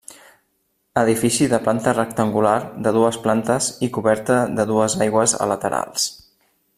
Edifici de planta rectangular de dues plantes i coberta de dues aigües a laterals.